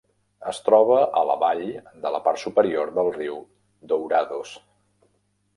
Es troba a la vall de la part superior del riu Dourados.